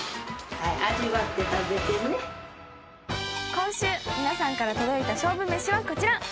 今週皆さんから届いた勝負めしはこちら。